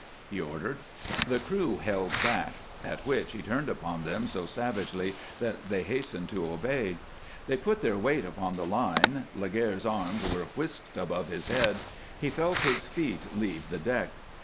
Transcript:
he ordered. The crew held back, at which he turned upon them so savagely that they hastened to obey. They put their weight upon the line; Laguerre's arms were whisked above his head, he felt his feet leave the deck.